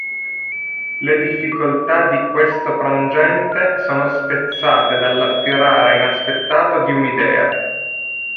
Le difficoltà di questo frangente sono spezzate dall'affiorare inaspettato di un'idea.